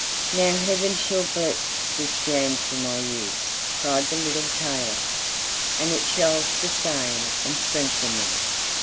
"Now heaven shall bless this jam for my use," cried the little tailor, "and it shall sustain and strengthen me."